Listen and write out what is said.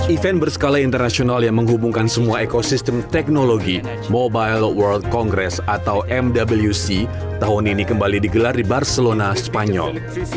event berskala internasional yang menghubungkan semua ekosistem teknologi mobile world congress atau mwc tahun ini kembali digelar di barcelona spanyol